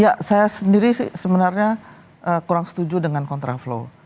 ya saya sendiri sebenarnya kurang setuju dengan kontraflow